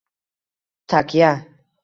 — Takya!